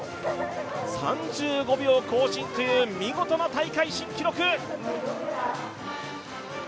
３５秒更新という見事な大会新記録。